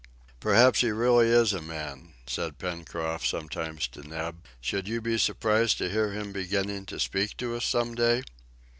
"Perhaps he is really a man," said Pencroft sometimes to Neb. "Should you be surprised to hear him beginning to speak to us some day?"